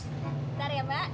sebentar ya mbak